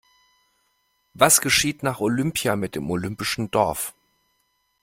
Was geschieht nach Olympia mit dem olympischen Dorf?